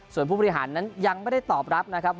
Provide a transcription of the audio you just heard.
ส่วนผู้บริหารนั้นยังไม่ได้ตอบรับนะครับ